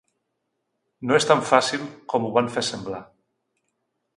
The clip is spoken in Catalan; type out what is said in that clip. No és tan fàcil com ho van fer semblar.